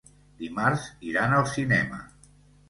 Dimarts iran al cinema.